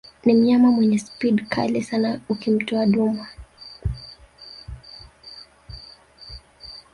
Ni mnyama mwenye speed kali sana ukimtoa duma